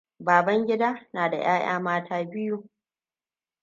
Babangida na da ƴaƴa mata biyu.